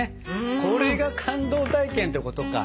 これが「感動体験」ってことか！